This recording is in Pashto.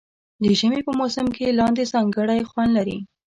د ژمي په موسم کې لاندی ځانګړی خوند لري.